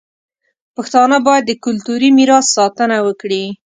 پښتانه باید د کلتوري میراث ساتنه وکړي.